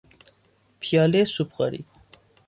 پیالهی سوپخوری